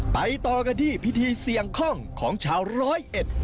ต่อกันที่พิธีเสี่ยงคล่องของชาวร้อยเอ็ด